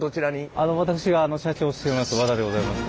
私が社長をしています